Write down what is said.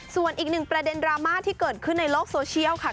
ส่วนอีกหนึ่งประเด็นดราม่าที่เกิดขึ้นในโลกโซเชียลค่ะ